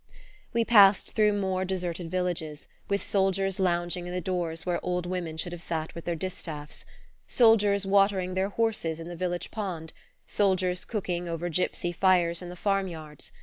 We passed through more deserted villages, with soldiers lounging in the doors where old women should have sat with their distaffs, soldiers watering their horses in the village pond, soldiers cooking over gypsy fires in the farm yards.